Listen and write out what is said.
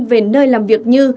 về nơi làm việc như